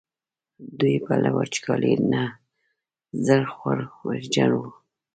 دوی به له وچکالۍ نه زړه خوړ ویرجن وو.